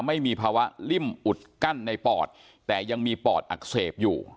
ไม่มีภาวะริ่มอุดกั้นในปอดแต่ยังมีปอดอักเสบอยู่